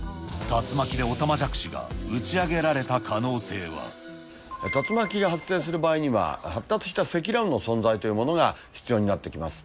竜巻でオタマジャクシが打ち竜巻が発生する場合には、発達した積乱雲の存在というものが必要になってきます。